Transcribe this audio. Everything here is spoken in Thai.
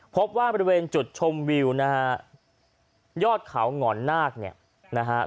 พบว่าบริเวณจุดชมวิวนะฮะยอดเขาหง่อนนาคเนี่ยนะฮะ